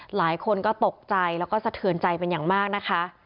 หลายคนก็ตกใจแล้วก็สะเทือนใจเป็นอย่างมากนะคะ